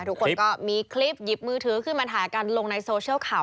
ทุกคนก็มีคลิปหยิบมือถือขึ้นมาถ่ายกันลงในโซเชียลข่าว